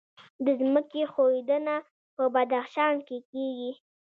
د ځمکې ښویدنه په بدخشان کې کیږي